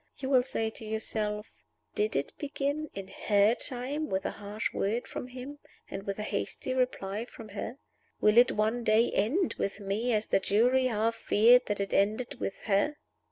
You will say to yourself, 'Did it begin, in her time, with a harsh word from him and with a hasty reply from her? Will it one day end with me as the jury half feared that it ended with her?